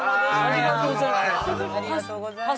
ありがとうございます。